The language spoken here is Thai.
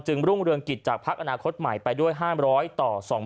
รุ่งเรืองกิจจากพักอนาคตใหม่ไปด้วย๕๐๐ต่อ๒๕